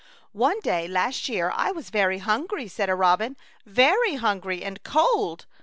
"One day last year I was very hungry," said a robin, " very hungry and cold.